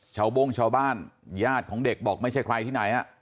โบ้งชาวบ้านญาติของเด็กบอกไม่ใช่ใครที่ไหน